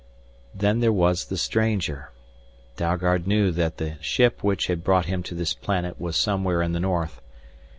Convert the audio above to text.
Then there was the stranger Dalgard knew that the ship which had brought him to this planet was somewhere in the north.